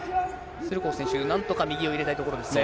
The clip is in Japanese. スルコフ選手、なんとか右を入れたいところですね。